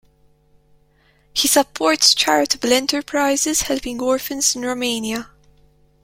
He supports charitable enterprises helping orphans in Romania.